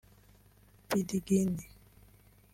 Pidgin